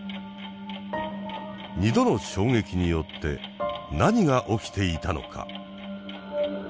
２度の衝撃によって何が起きていたのか。